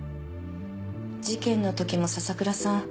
事件のときも笹倉さん